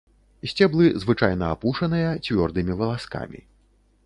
Сцеблы звычайна апушаныя цвёрдымі валаскамі.